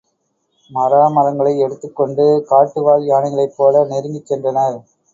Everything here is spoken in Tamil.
மராமரங்களை எடுத்துக் கொண்டு காட்டுவாழ் யானைகளைப் போல நெருங்கிச் சென்றனர்.